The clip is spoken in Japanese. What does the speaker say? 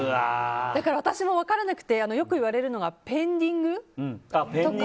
だから私も分からなくてよく言われるのはペンディングとか。